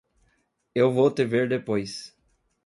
Eu vou te ver depois.